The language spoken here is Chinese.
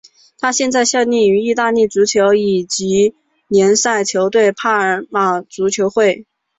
他现在效力于意大利足球乙级联赛球队帕尔马足球会。